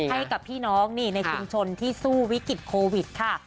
ให้กับพี่น้องนี่ในชุมชนที่สู้วิกฤตโควิดค่ะ